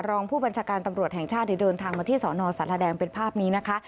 รองผู้บัญชาการตำรวจแห่งชาติเดินทางมาที่สนสารแดงเป็นภาพนี้นะคะ